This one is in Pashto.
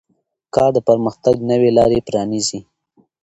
کار د پرمختګ نوې لارې پرانیزي